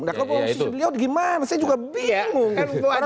nah kalau mau ngusip beliau gimana saya juga bingung